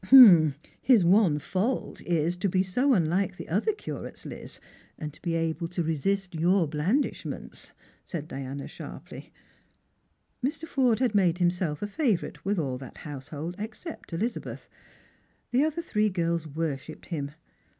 " His one fault is, to be so unlike the other curates, Liz, and able to resist your blandishments," said Diana sharply. Mr. Forde had made himself a favourite with all that house hold except Elizabeth. The three other girls worshipped him.